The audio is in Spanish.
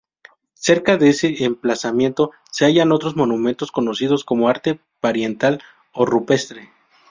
Cerca de ese emplazamiento, se hallan otros monumentos conocidos como arte parietal o rupestre.